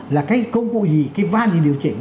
là cái công cụ gì cái van gì điều chỉnh